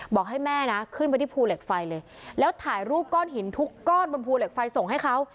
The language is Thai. บอกให้แม่นะขึ้นไปที่ภูเหล็กไฟเลยแล้วถ่ายรูปก้อนหินทุกก้อนบนภูเหล็กไฟส่งให้เขา